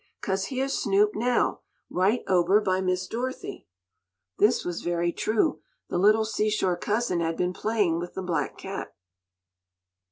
'Cause heah's Snoop now, right ober by Miss Dorothy." This was very true. The little seashore Cousin had been playing with the black cat.